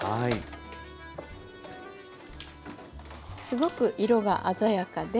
すごく色が鮮やかで。